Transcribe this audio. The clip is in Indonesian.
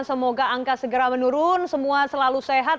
semoga angka segera menurun semua selalu sehat